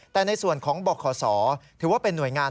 แต่ในส่วนของบขถือว่าเป็นหน่วยงาน